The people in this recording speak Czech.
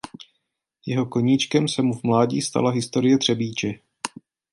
Jeho koníčkem se mu v mládí stala historie Třebíče.